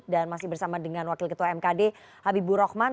dan masih bersama dengan wakil ketua mkd habibu rohman